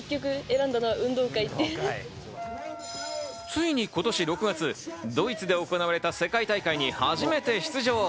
ついに今年６月、ドイツで行われた世界大会に初めて出場。